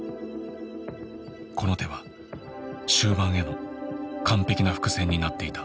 この手は終盤への完璧な伏線になっていた。